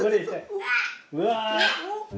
うわ。